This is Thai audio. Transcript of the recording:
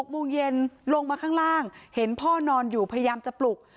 โมงเย็นลงมาข้างล่างเห็นพ่อนอนอยู่พยายามจะปลุก